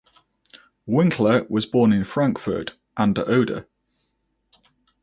Winkler was born in Frankfurt an der Oder.